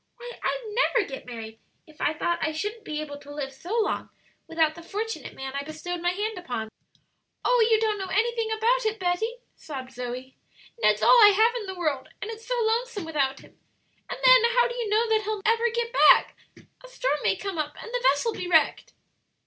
Why, I'd never get married if I thought I shouldn't be able to live so long without the fortunate man I bestowed my hand upon." "Oh, you don't know anything about it, Betty!" sobbed Zoe. "Ned's all I have in the world, and it's so lonesome without him! And then, how do I know that he'll ever get back? A storm may come up and the vessel be wrecked."